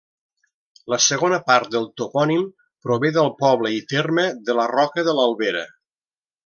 La segona part del topònim prové del poble i terme de la Roca de l'Albera.